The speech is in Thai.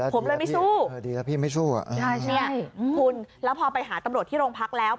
ผมเลยไม่สู้คุณแล้วพอไปหาตำรวจที่โรงพักษณ์แล้ว